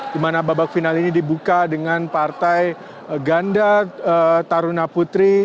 di mana babak final ini dibuka dengan partai ganda taruna putri